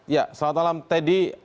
ya selamat malam teddy